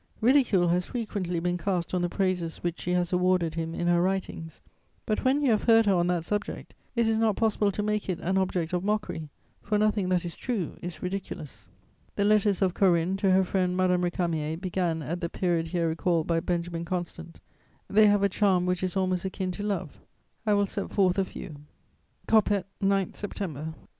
Ridicule has frequently been cast on the praises which she has awarded him in her writings; but, when you have heard her on that subject, it is not possible to make it an object of mockery, for nothing that is true is ridiculous." [Sidenote: Madame de Staël.] The letters of Corinne to her friend Madame Récamier began at the period here recalled by Benjamin Constant: they have a charm which is almost akin to love; I will set forth a few: "COPPET, 9 _September.